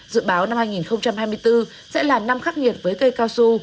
dự báo năm hai nghìn hai mươi bốn sẽ là năm khắc nghiệt với cây cao su